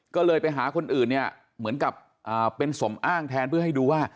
ก็เลยไปหาคนอื่นเนี่ยเหมือนกับเป็นสมอ้างแทนเพื่อให้ดูว่า